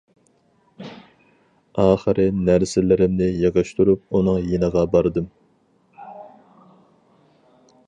ئاخىرى نەرسىلىرىمنى يىغىشتۇرۇپ ئۇنىڭ يېنىغا باردىم.